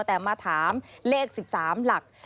แต่มาถามเลข๑๓หลัก